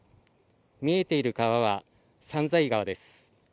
見えている川はさんざい川です。